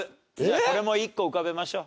これも１個浮かべましょう。